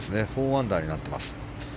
４アンダーになっています。